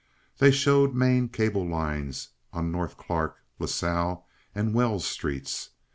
They showed main cable lines on North Clark, La Salle, and Wells streets.